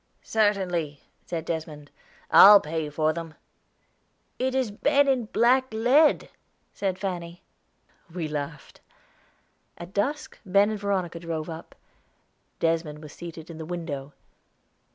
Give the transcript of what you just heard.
"Certainly," said Desmond, "I'll pay for them." "It is Ben in black lead," said Fanny. We laughed. At dusk Ben and Veronica drove up. Desmond was seated in the window.